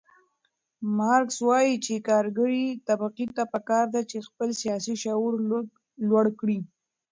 مارکس وایي چې کارګرې طبقې ته پکار ده چې خپل سیاسي شعور لوړ کړي.